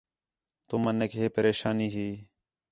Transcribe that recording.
تُمنیک ہِے پریشانی ہی